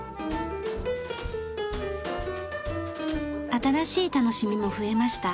新しい楽しみも増えました。